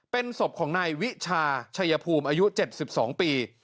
เป็นศพของนายวิชาชัยภูมิอายุ๗๒ปี